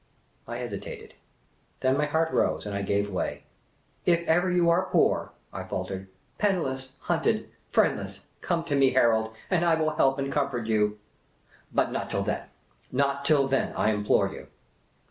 I hesitated. Then my heart rose, and I gave way. " If ever you are poor," I faltered, —" penniless, hunted, friend less — come to me, Harold, and I will help and comfort you. But not till then. Not till then, I implore you."